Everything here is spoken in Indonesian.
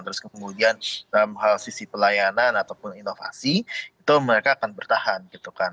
terus kemudian dalam hal sisi pelayanan ataupun inovasi itu mereka akan bertahan gitu kan